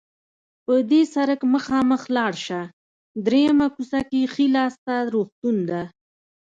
په دې سړک مخامخ لاړ شه، دریمه کوڅه کې ښي لاس ته روغتون ده.